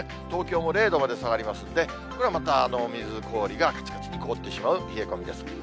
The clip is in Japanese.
東京も０度まで下がりますんで、これまた水、氷がかちかちに凍ってしまう冷え込みです。